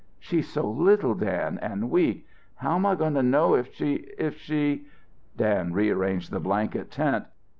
"She's so little, Dan, and weak. How am I going to know if she if she " Dan rearranged the blanket tent.